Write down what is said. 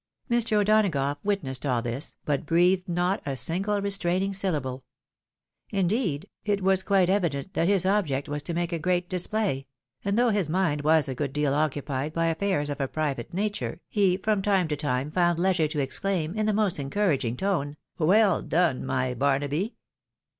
Mr. O'Donagough witnessed all this, but breathed not a single restraining syllable ; indeed, it was quite evident that his object was to make a great display, and though his mind was a good deal occupied by affairs of a private nature, he from time to time found leisure to exclaim in the most encouraging tone, " Well done, my Barnaby